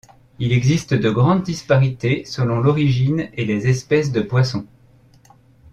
Il existe de grandes disparités selon l'origine et les espèces de poisson.